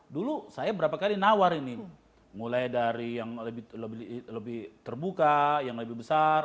dulu saya berapa kali nawar ini mulai dari yang lebih terbuka yang lebih besar